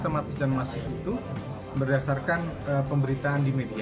maksudnya itu berdasarkan pemberitaan di media